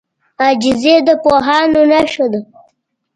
عاجزي د پوهانو نښه ده.